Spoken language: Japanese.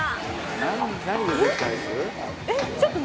えっ？